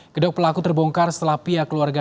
gedok pelaku terbongkar setelah pihak keluarga